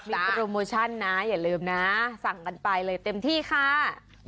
มีโปรโมชั่นนะอย่าลืมนะสั่งกันไปเลยเต็มที่ค่ะ